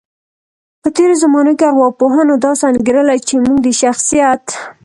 په تیرو زمانو کې ارواپوهانو داسې انګیرله، چی موږ د شخصیت